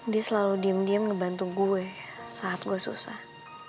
dia selalu diem diem ngebantu gue saat gue susah